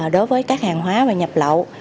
đối với các hàng hóa và nhập lậu